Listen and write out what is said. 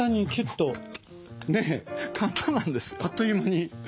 あっという間に。